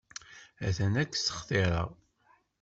Atan ad k-ssextireɣ.